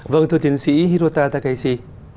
vâng thưa tiến sĩ hirota takeshi